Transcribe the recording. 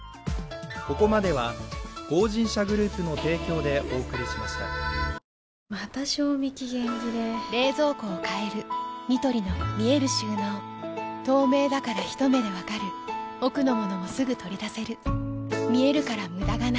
警察によりますと、亡くなったのは大阪府守口市のまた賞味期限切れ冷蔵庫を変えるニトリの見える収納透明だからひと目で分かる奥の物もすぐ取り出せる見えるから無駄がないよし。